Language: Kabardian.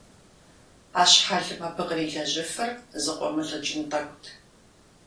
А щхьэлым абы кърилэжьыфыр зыкъуэмылӀыкӀын тӀэкӀут.